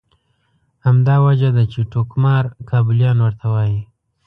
همدا وجه ده چې ټوکمار کابلیان ورته وایي.